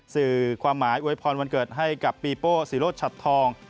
สื่อความหมายอวยพรวันเกิดให้กับปีโป้ศิโรธชัดทอง